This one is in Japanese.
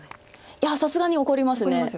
いやさすがに怒ります。